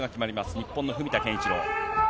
日本の文田健一郎。